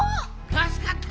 たすかった！